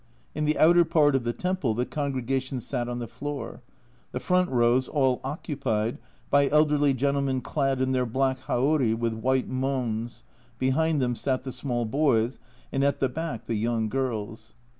In the outer part of the temple the congregation sat on the floor, the front rows all occupied by elderly gentlemen clad in their black haori with white mons, behind them sat the small boys, and at the back the young girls.